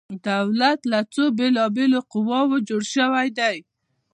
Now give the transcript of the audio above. دولت له څو بیلا بیلو قواو جوړ شوی دی؟